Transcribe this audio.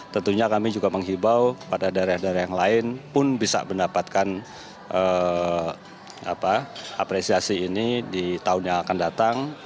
tentunya kami juga menghibau pada daerah daerah yang lain pun bisa mendapatkan apresiasi ini di tahun yang akan datang